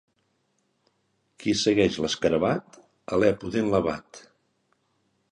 Qui segueix l'escarabat, alè pudent l'abat.